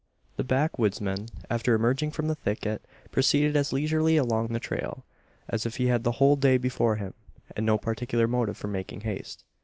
The backwoodsman, after emerging from the thicket, proceeded as leisurely along the trail, as if he had the whole day before him, and no particular motive for making haste.